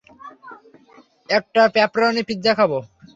একটা pepperoni pizza খাব!